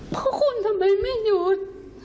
เพราะคุณทำไมไม่หยุด